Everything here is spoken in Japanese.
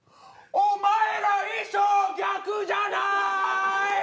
お前ら衣装逆じゃない！？